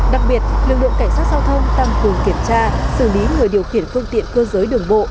đặc biệt lực lượng cảnh sát giao thông tăng cường kiểm tra xử lý người điều khiển phương tiện cơ giới đường bộ